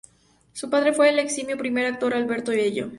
Su padre fue el eximio primer actor Alberto Bello.